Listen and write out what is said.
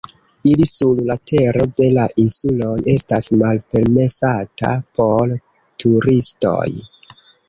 Iri sur la tero de la insuloj estas malpermesata por turistoj.